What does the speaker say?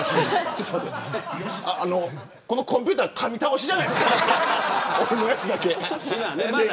このコンピューターかみ倒しじゃないですか僕のやつだけ。